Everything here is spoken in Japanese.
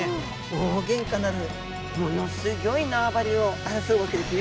大ゲンカなるものすギョい縄張りを争うわけですね。